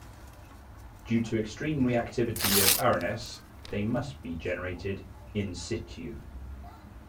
Due to extreme reactivity of arynes they must be generated "in situ".